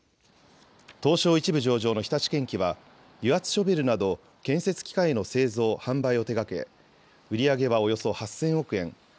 東証１部上場の日立建機は油圧ショベルなど建設機械の製造・販売を手がけ売り上げはおよそ８０００億円。